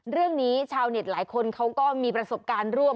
เรื่องนี้ชาวเน็ตหลายคนเขาก็มีประสบการณ์ร่วม